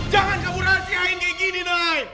jangan kamu rahasiakan kayak gini nay